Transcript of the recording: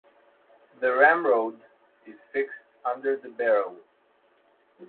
The ramrod is fixed under the barrel.